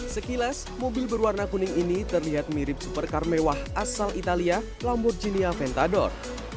sekilas mobil berwarna kuning ini terlihat mirip supercar mewah asal italia lamborghinia ventador